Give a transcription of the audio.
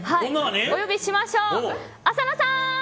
お呼びしましょう、浅野さん！